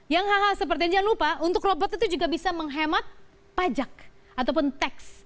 yang hal hal seperti ini jangan lupa untuk robot itu juga bisa menghemat pajak ataupun teks